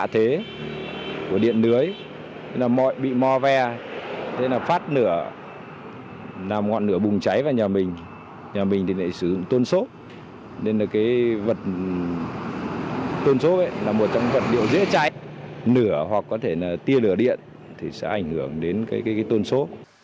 trong vật điệu dễ cháy nửa hoặc có thể là tia lửa điện thì sẽ ảnh hưởng đến cái tôn số